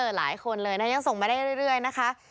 หลายคนเลยนะยังส่งมาได้เรื่อยนะคะ